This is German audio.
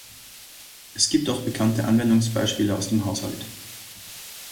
Es gibt auch bekannte Anwendungsbeispiele aus dem Haushalt.